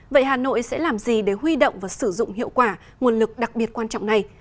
vậy hà nội sẽ làm gì để huy động và sử dụng hiệu quả nguồn lực đặc biệt quan trọng này